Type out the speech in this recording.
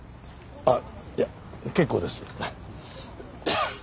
あっいや結構です。